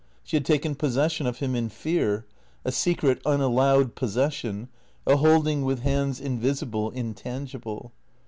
She had taken posses sion of him in fear, a secret, unallowed possession, a holding with hands invisible, intangible.